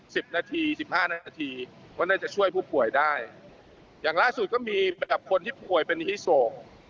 สิบนาทีสิบห้านาทีก็น่าจะช่วยผู้ป่วยได้อย่างล่าสุดก็มีกับคนที่ป่วยเป็นฮิโศก